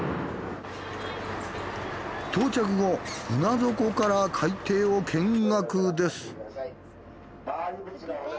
到着後船底から海底を見学です。